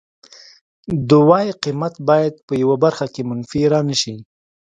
د وای قیمت باید په یوه برخه کې منفي را نشي